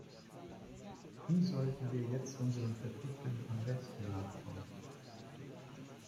Wie sollten wir jetzt unseren Verpflichtungen am besten nachkommen?